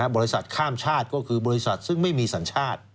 บริษัทข้ามชาติก็คือบริษัทซึ่งไม่มีสัญชาติ